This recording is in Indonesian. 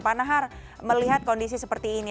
panahar melihat kondisi seperti ini